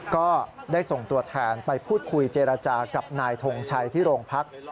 ก็ได้ส่งตัวแทนไปพูดคุยเจรจากับนายทงชัยที่โรงพัก